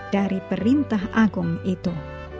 dari perintah agung itu